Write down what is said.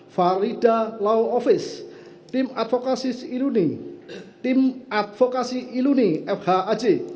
farida law office tim advokasis iluni tim advokasi iluni fhaj